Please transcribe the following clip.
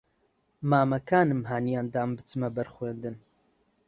مامەکانم ھانیان دام بچمە بەر خوێندن